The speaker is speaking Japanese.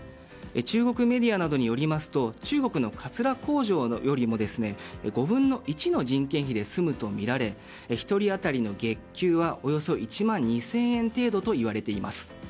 中国メディアなどによりますと中国のかつら工場よりも５分の１の人件費で済むとみられ１人当たりの月給はおよそ１万２０００円程度といわれています。